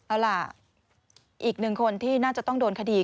เอาล่ะอีกหนึ่งคนที่น่าจะต้องโดนคดี